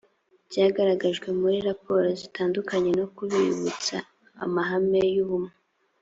byagaragajwe muri raporo zitandukanye no kubibutsa amahame y ubumwe